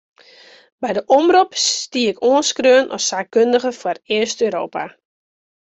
By de omrop stie ik oanskreaun as saakkundige foar East-Europa.